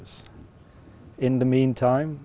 trong thời gian đến